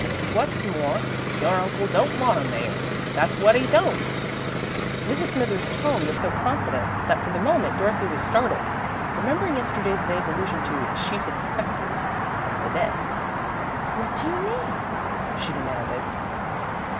Wot's more, your uncle don't want 'em 'ere, that's wot 'e don't." Mrs. Smithers's tone was so confident that for the moment Dorothy was startled, remembering yesterday's vague allusion to "sheeted spectres of the dead." "What do you mean?" she demanded.